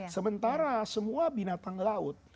sementara semua binatang laut